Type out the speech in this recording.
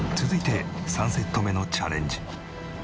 続いて３セット目のチャレンジ。